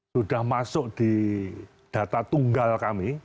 sudah masuk di data tunggal kami